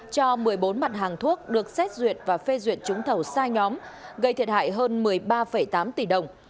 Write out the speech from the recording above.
cho một mươi bốn mặt hàng thuốc được xét duyệt và phê duyệt trúng thầu sai nhóm gây thiệt hại hơn một mươi ba tám tỷ đồng